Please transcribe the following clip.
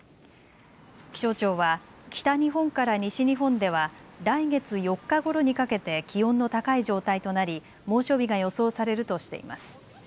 気象庁は北日本から西日本では来月４日ごろにかけて気温の高い状態となり猛暑日が予想されるとしています。